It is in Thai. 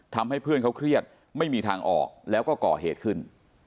ทำให้เพื่อนเขาเครียดไม่มีทางออกแล้วก็ก่อเหตุขึ้น